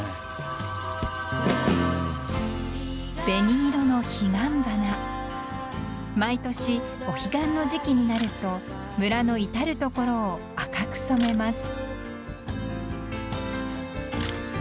［紅色のヒガンバナ］［毎年お彼岸の時期になると村の至る所を赤く染めます］